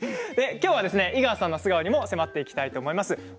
きょうは井川さんの素顔にも迫っていきたいと思います。